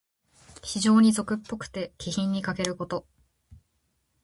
非情に俗っぽくて、気品にかけること。